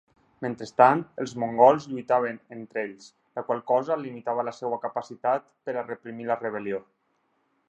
Mentrestant, els mongols lluitaven entre ells, la qual cosa limitava la seva capacitat per a reprimir la rebel·lió.